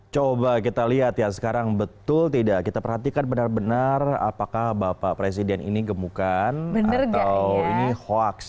coba kita lihat ya sekarang betul tidak kita perhatikan benar benar apakah bapak presiden ini gemukan atau ini hoaks